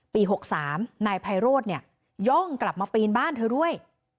ปีหกสามนายพายโรศเนี่ยย่องกลับมาปีนบ้านเธอด้วย